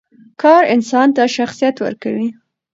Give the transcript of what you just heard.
کار انسان ته شخصیت ورکوي.